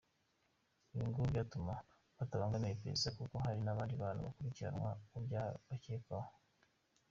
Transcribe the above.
Ibi ngo byatuma batabangamira iperereza kuko hari n’abandi bantu bakurikiranwa ku byaha bakekwaho.